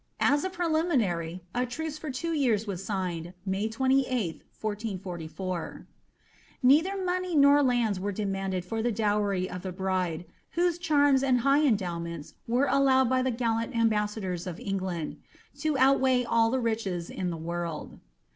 As a preliminary, a truce for two years was signed, May 28th, 1444. Neither money nor lands were demanded for the dowry of the bride, whoee charms and high endowments were allowed by the gallant am bassadors of England ^^ to outweigh all the riches in the world.'"